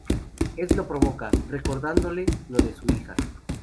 Ed lo provoca, recordándole lo de su hija.